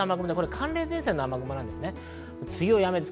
寒冷前線の雨雲です。